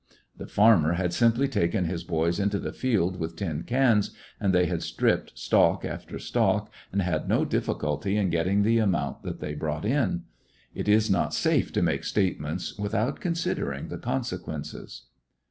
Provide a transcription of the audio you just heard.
The farmer had simply taken his boys into the fields with tin cans, and they had stripped stalk after stalk, and had no difficulty in getting the amount that they brought in. It is not safe to make statements without considering the consequences.